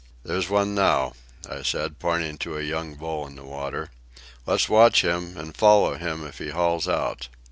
"There's one now," I said, pointing to a young bull in the water. "Let's watch him, and follow him if he hauls out."